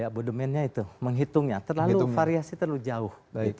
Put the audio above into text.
abodemennya itu menghitungnya terlalu variasi terlalu jauh